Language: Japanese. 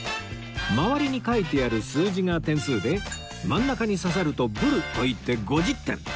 周りに書いてある数字が点数で真ん中に刺さると「ブル」といって５０点